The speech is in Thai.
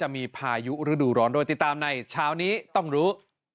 มีพายุฤดูร้อนโดยติดตามในเช้านี้ต้องรู้